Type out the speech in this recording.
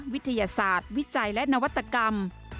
วิทยาศาสตร์วิจัยและนวัตกรรม